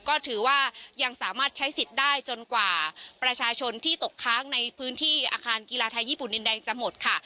ก็ถือว่ายังสามารถใช้สิทธิ์ได้จนกว่าประชาชนที่ตกค้างในพื้นที่อาคารกีฬาไทยญี่ปุ่นดินแดงจะหมดค่ะ